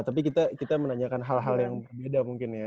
tapi kita menanyakan hal hal yang berbeda mungkin ya